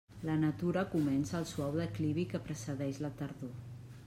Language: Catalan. La natura comença el suau declivi que precedeix la tardor.